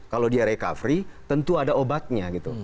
kalau dia recovery tentu ada obatnya gitu